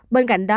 bên cạnh đó